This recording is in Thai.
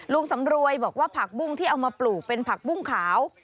สำรวยบอกว่าผักบุ้งที่เอามาปลูกเป็นผักบุ้งขาว